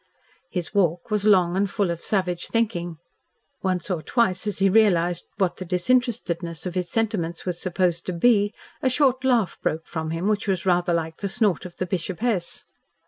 His walk was long and full of savage thinking. Once or twice as he realised what the disinterestedness of his sentiments was supposed to be, a short laugh broke from him which was rather like the snort of the Bishopess.